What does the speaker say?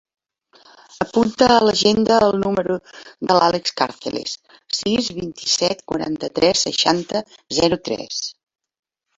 Apunta a l'agenda el número de l'Àlex Carceles: sis, vint-i-set, quaranta-tres, seixanta, zero, tres.